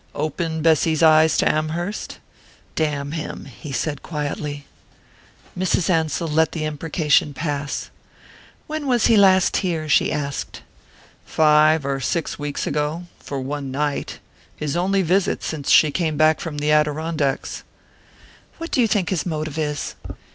"Open Bessy's eyes to Amherst? Damn him!" he said quietly. Mrs. Ansell let the imprecation pass. "When was he last here?" she asked. "Five or six weeks ago for one night. His only visit since she came back from the Adirondacks." "What do you think his motive is?